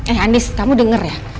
eh anis kamu denger ya